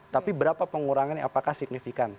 tapi berapa pengurangan ini apakah signifikan